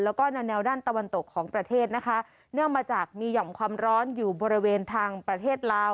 แล้วก็แนวด้านตะวันตกของประเทศนะคะเนื่องมาจากมีหย่อมความร้อนอยู่บริเวณทางประเทศลาว